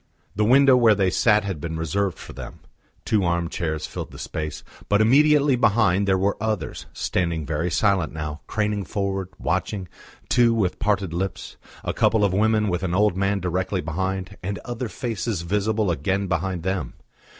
The window where they sat had been reserved for them; two arm chairs filled the space, but immediately behind there were others, standing very silent now, craning forward, watching, too, with parted lips: a couple of women with an old man directly behind, and other faces visible again behind them.